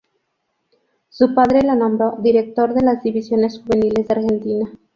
Su padre lo nombró director de las divisiones juveniles de Argentina.